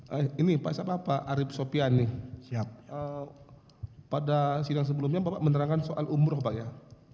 hai ini pak sapa pak arief sopiani siap pada sidang sebelumnya menerangkan soal umroh banyak